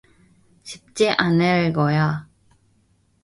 쉽지 않을 거야.